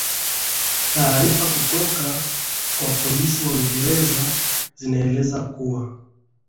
taarifa kutoka kwa polisi wa uingerza zinaeleza kuwa